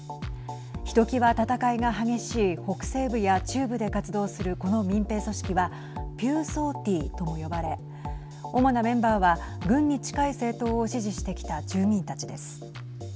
ひときわ戦いが激しい北西部や中部で活動するこの民兵組織はピューソーティーとも呼ばれ主なメンバーは軍に近い政党を支持してきた住民たちです。